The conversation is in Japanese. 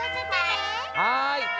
はい！